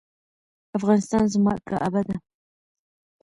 افغانستان زما کعبه ده؟